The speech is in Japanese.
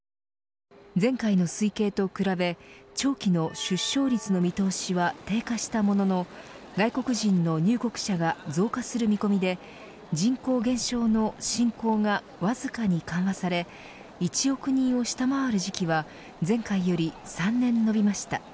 前回の推計と比べ長期の出生率の見通しは低下したものの外国人の入国者が増加する見込みで人口減少の進行がわずかに緩和され１億人を下回る時期は前回より３年伸びました。